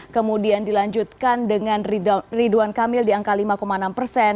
kemudian dilanjutkan dengan ridwan kamil di angka lima enam persen